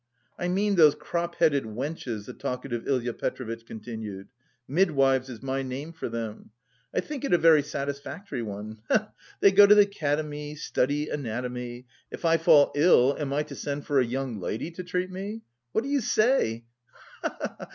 "I mean those crop headed wenches," the talkative Ilya Petrovitch continued. "Midwives is my name for them. I think it a very satisfactory one, ha ha! They go to the Academy, study anatomy. If I fall ill, am I to send for a young lady to treat me? What do you say?